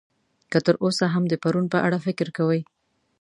که تر اوسه هم د پرون په اړه فکر کوئ.